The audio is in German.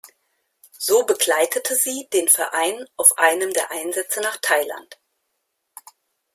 So begleitete sie den Verein auf einem der Einsätze nach Thailand.